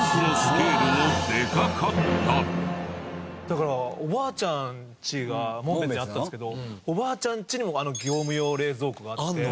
だからおばあちゃんちが紋別にあったんですけどおばあちゃんちにもあの業務用冷蔵庫があって。